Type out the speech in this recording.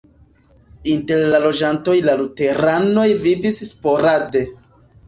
Inter la loĝantoj la luteranoj vivis sporade.